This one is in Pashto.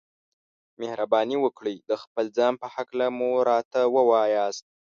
مهرباني وکړئ د خپل ځان په هکله مو راته ووياست.